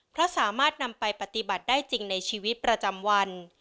เพราะสามารถนำไปปฏิบัติได้จริงในชีวิตประจำวัน